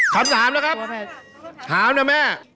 คำถามนะครับถามนะแม่